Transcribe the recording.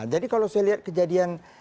jadi kalau saya lihat kejadian